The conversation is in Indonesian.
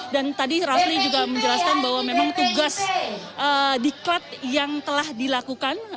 dan tadi raufli juga menjelaskan bahwa memang tugas di klat yang telah dilakukan